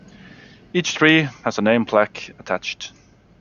Each tree has a name plaque attached.